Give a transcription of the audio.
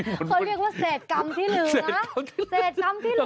เขาเรียกว่าเศษกรรมที่เหลือเศษกรรมที่เหลือ